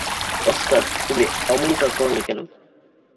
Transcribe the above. Oscar, তুমি অমনটা করলে কেন?